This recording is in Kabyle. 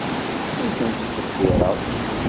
Ur ten-ttqeddireɣ.